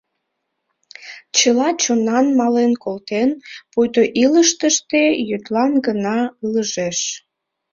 Чыла чонан мален колтен, пуйто илыш тыште йӱдлан гына ылыжеш.